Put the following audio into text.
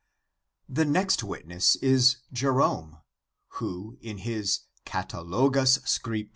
The next witness is Jerome, who in his Catalogus Script.